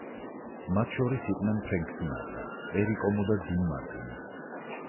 მათ შორის იყვნენ ფრენკ სინატრა, პერი კომო და დინ მარტინი.